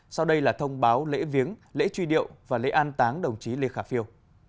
sau đây là thông báo lễ viếng lễ truy điệu và lễ an táng đồng chí lê khả phiêu